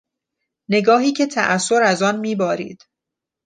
نگاهی که تاثر از آن میبارید